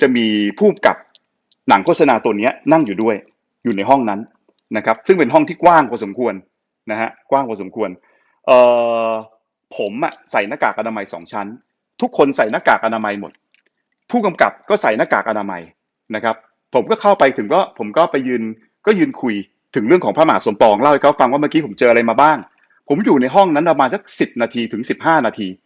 มีผู้กับหนังโฆษณาตัวเนี้ยนั่งอยู่ด้วยอยู่ในห้องนั้นนะครับซึ่งเป็นห้องที่กว้างกว่าสมควรนะฮะกว้างกว่าสมควรเอ่อผมอ่ะใส่หน้ากากอาดามัยสองชั้นทุกคนใส่หน้ากากอาดามัยหมดผู้กำกับก็ใส่หน้ากากอาดามัยนะครับผมก็เข้าไปถึงก็ผมก็ไปยืนก็ยืนคุยถึงเรื่องของพระหมาสมปองเล่าให้เขาฟังว่าเมื่อกี้